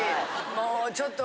もうちょっと。